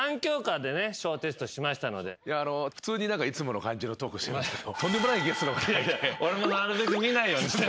普通にいつもの感じのトークしてますけど。